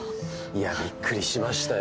いやびっくりしましたよ。